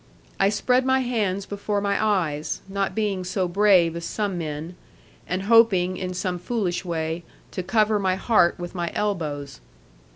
I spread my hands before my eyes, not being so brave as some men; and hoping, in some foolish way, to cover my heart with my elbows.